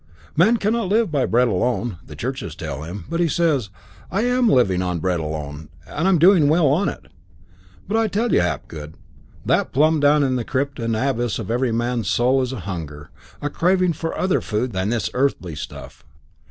Man cannot live by bread alone, the churches tell him; but he says, "I am living on bread alone, and doing well on it." But I tell you, Hapgood, that plumb down in the crypt and abyss of every man's soul is a hunger, a craving for other food than this earthy stuff.